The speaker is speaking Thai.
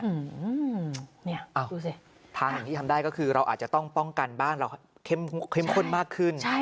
อืมเนี่ยเอาดูสิทางหนึ่งที่ทำได้ก็คือเราอาจจะต้องป้องกันบ้านเราเข้มข้นมากขึ้น